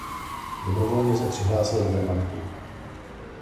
Dobrovolně se přihlásil k Wehrmachtu.